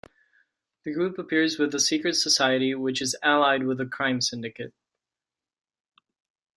The group appears with the Secret Society, which is allied with the Crime Syndicate.